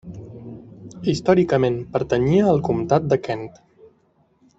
Històricament pertanyia al comtat de Kent.